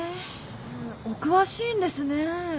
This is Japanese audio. お詳しいんですね。